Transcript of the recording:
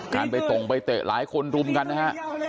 การไปตรงไปเตะหลายคนรุมกันนะฮะ